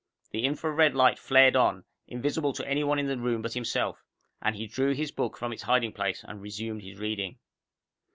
The infra red light flared on, invisible to any one in the room but himself, and he drew his book from its hiding place and resumed his reading.